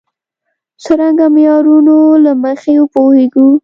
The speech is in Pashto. څرنګه معیارونو له مخې وپوهېږو.